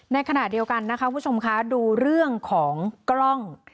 ในขณะเดียวกันนะคะคุณผู้ชมคะดูเรื่องของกล้อง